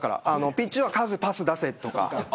ピッチではカズ、パス出せとか。